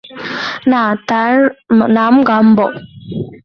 না, তার নাম গাম্বো।